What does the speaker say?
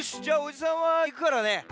じゃあおじさんはいくからね。